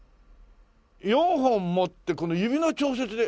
４本持ってこの指の調節で。